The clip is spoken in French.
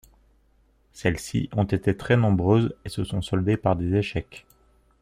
Celles-ci ont été très nombreuses et se sont soldées par des échecs.